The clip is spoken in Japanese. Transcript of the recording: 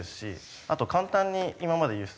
あと簡単に今まで輸出。